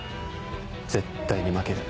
絶対に負ける。